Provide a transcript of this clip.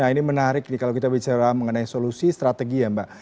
nah ini menarik nih kalau kita bicara mengenai solusi strategi ya mbak